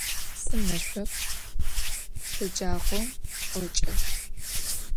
Simeş'oku şecağom 'oç'ı.